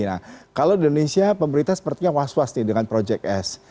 nah kalau di indonesia pemerintah sepertinya was was nih dengan proyek s